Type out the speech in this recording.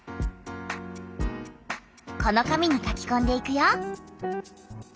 この紙に書きこんでいくよ。